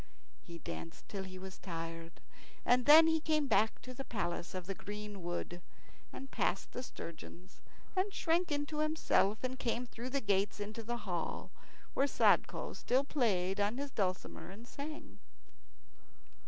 He danced till he was tired, and then he came back to the palace of green wood, and passed the sturgeons, and shrank into himself and came through the gates into the hall, where Sadko still played on his dulcimer and sang.